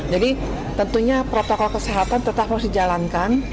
jadi tentunya protokol kesehatan tetap harus dijalankan